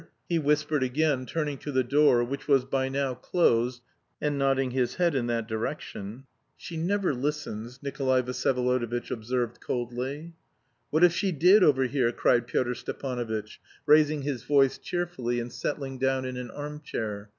he whispered again, turning to the door, which was by now closed, and nodding his head in that direction. "She never listens," Nikolay Vsyevolodovitch observed coldly. "What if she did overhear?" cried Pyotr Stepanovitch, raising his voice cheerfully, and settling down in an arm chair.